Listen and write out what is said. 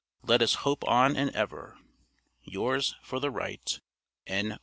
Let us "hope on and ever." Yours, for the right, N.